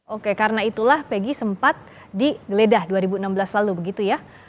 oke karena itulah peggy sempat digeledah dua ribu enam belas lalu begitu ya